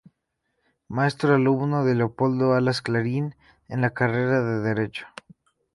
Maestro, alumno de Leopoldo Alas "Clarín" en la carrera de Derecho.